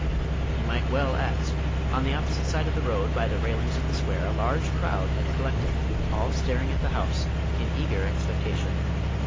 He might well ask. On the opposite side of the road, by the railings of the square, a large crowd had collected, all staring at the house in eager expectation.